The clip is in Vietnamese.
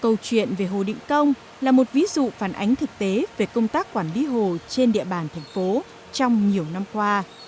câu chuyện về hồ định công là một ví dụ phản ánh thực tế về công tác quản lý hồ trên địa bàn thành phố trong nhiều năm qua